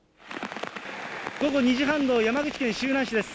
午後２時半の山口県周南市です。